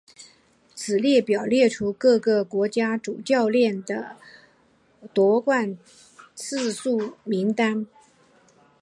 此表列出了各个国籍主教练的夺冠次数名单。